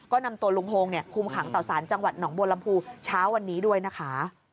ก็นำตัวลุงโฮงคุมขังต่อสารจังหวัดหนองบัวลำพูเช้าวันนี้ด้วยนะคะ